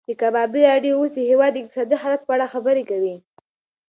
د کبابي راډیو اوس د هېواد د اقتصادي حالت په اړه خبرې کوي.